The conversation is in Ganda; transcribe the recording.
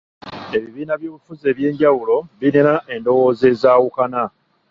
Ebibiina by'obufuzi eby'enjawulo birina endowooza ezawukana.